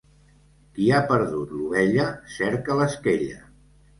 Qui ha perdut l'ovella cerca l'esquella.